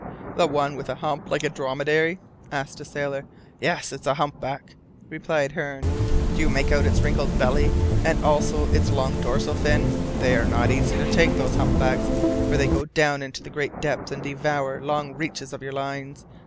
"The one with a hump like a dromedary?" asked a sailor. "Yes. It is a humpback," replied Hearne. "Do you make out its wrinkled belly, and also its long dorsal fin? They're not easy to take, those humpbacks, for they go down into great depths and devour long reaches of your lines.